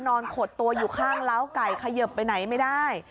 ขดตัวอยู่ข้างล้าวไก่เขยิบไปไหนไม่ได้